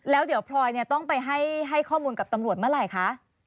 แล้วเดี๋ยวพลอยต้องไปให้ข้อมูลกับตำรวจเมื่อไหร่คะ